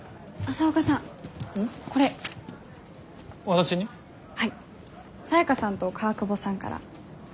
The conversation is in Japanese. サヤカさんと川久保さんから。